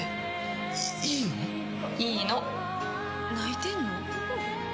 いいの？いいの。泣いてんの？